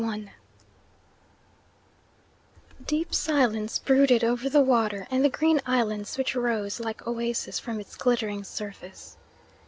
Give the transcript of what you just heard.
Deep silence brooded over the water and the green islands which rose like oases from its glittering surface.